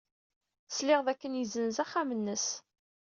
Sliɣ dakken yessenz axxam-nnes.